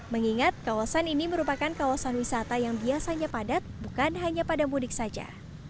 mengingat kawasan ini merupakan kawasan wisata yang biasanya padat bukan hanya pada mudik saja